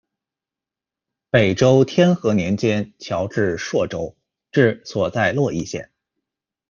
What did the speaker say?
北周天和年间侨置朔州，治所在洛邑县。